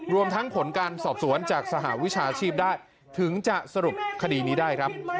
รวมทั้งผลการสอบสวนจากสหวิชาชีพได้ถึงจะสรุปคดีนี้ได้ครับ